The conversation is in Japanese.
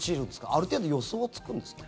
ある程度予想つくんですか？